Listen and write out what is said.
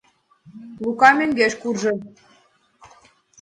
Лука мӧҥгеш куржо.